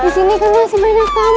di sini kan masih banyak kali